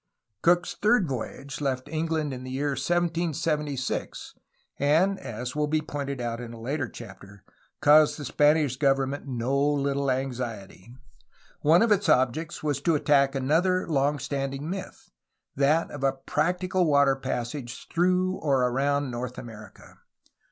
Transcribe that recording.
Cook's third voyage left England in the year 1776, and (as will be pointed out in a later chapter) caused the Span ish government no little anxiety. One of its objects was to attack another long standing myth, that of a practical water passage through or around North America.